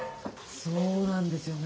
そうなんですよね。